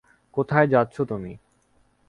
কোথায় যাচ্ছো তুমি?